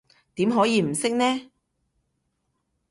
點可以唔識呢？